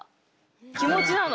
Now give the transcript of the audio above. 気持ちなの。